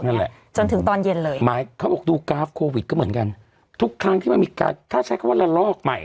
นั่นแหละจนถึงตอนเย็นเลยหมายเขาบอกดูกราฟโควิดก็เหมือนกันทุกครั้งที่มันมีการถ้าใช้คำว่าละลอกใหม่